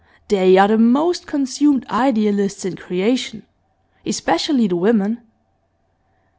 They are the most consumed idealists in creation, especially the women.